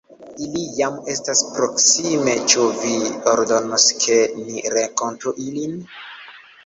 Ili jam estas proksime, ĉu vi ordonos, ke ni renkontu ilin?